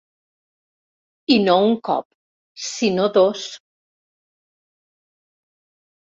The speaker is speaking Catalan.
I no un cop, sinó dos.